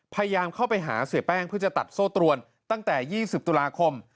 พยายามเข้าไปหาเสียแป้งเพื่อจะตัดโซ่ตรวนตั้งแต่๒๐ตุลาคม